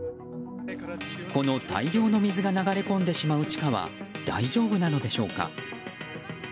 この大量の水が流れ込んでしまう地下は大丈夫なのでしょうか。